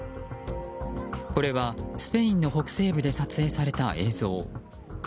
これは、スペインの北西部で撮影された映像。